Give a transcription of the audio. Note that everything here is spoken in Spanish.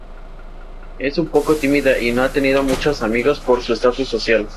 Es un poco tímida y no ha tenido muchos amigos por su estatus social.